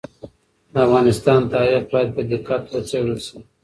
د افغانستان تاریخ باید په دقت وڅېړل سي.